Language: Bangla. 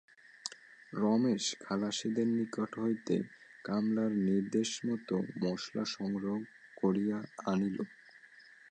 রমেশ খালাসিদের নিকট হইতে কমলার নির্দেশমত মসলা সংগ্রহ করিয়া আনিল।